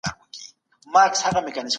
سم نیت وخت نه خرابوي.